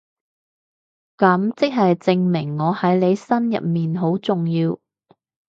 噉即係證明我喺你心入面好重要